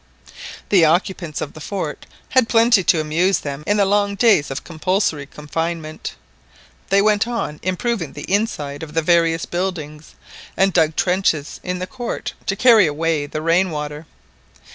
The occupants of the fort had plenty to amuse them in the long days of compulsory confinement. They went on improving the inside of the various buildings, and dug trenches in the court to carry away the rain water.